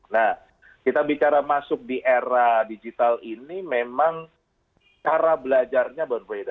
nah kita bicara masuk di era digital ini memang cara belajarnya berbeda